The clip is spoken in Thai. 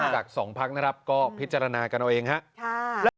จาก๒พักนะครับก็พิจารณากันเอาเองครับ